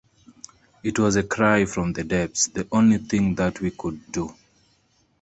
It was a cry from the depths, the only thing that we could do.